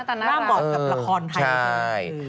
ร่างบอกกับละครไทย